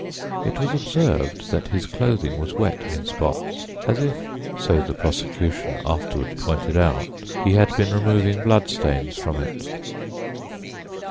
It was observed that his clothing was wet in spots, as if (so the prosecution afterward pointed out) he had been removing blood stains from it.